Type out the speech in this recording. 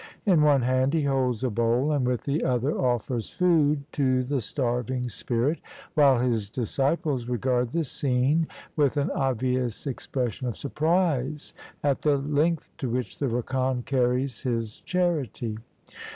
In one hand he holds a bowl and with the other offers food to the starving spirit, while his disciples regard the scene with an obvious expres sion of surprise at the length to which the rakan carries his charity.